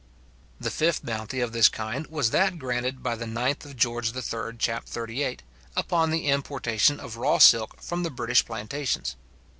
The fifth bounty of this kind was that granted by the 9th Geo. III. chap. 38, upon the importation of raw silk from the British plantations.